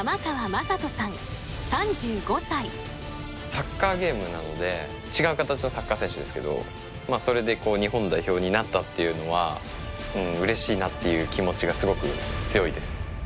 サッカーゲームなので違う形のサッカー選手ですけどそれで日本代表になったっていうのはうれしいなっていう気持ちがすごく強いです。